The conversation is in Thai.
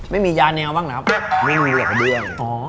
ไม่มียาแนวบ้างนะครับไม่มีหรอกกระเบื้อง